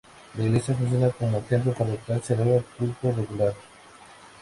La iglesia funciona como templo parroquial y celebra culto regular.